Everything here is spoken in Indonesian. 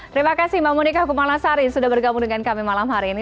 terima kasih mbak monika kumalasari sudah bergabung dengan kami malam hari ini